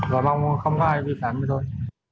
và mong không có ai vi phạm với tôi